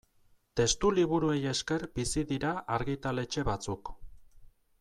Testuliburuei esker bizi dira argitaletxe batzuk.